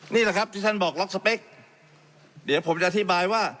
นี่แหละครับที่ท่านบอกล็อกสเปคเดี๋ยวผมจะอธิบายว่า